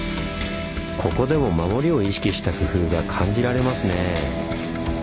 ここでも守りを意識した工夫が感じられますね。